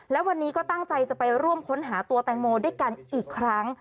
และวันนี้ก็ตั้งใจจะไปร่วมค้นหาตัวแตงโมด้วยกันอีกครั้ง